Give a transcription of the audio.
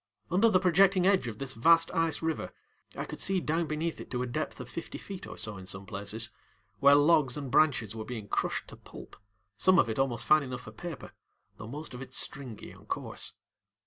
Under the projecting edge of this vast ice river I could see down beneath it to a depth of fifty feet or so in some places, where logs and branches were being crushed to pulp, some of it almost fine enough for paper, though most of it stringy and coarse.